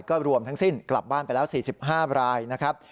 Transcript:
ก็รวมทั้งสิ้นกลับบ้านไปแล้ว๔๕รายนะครับ